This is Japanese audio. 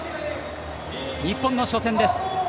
日本の初戦です。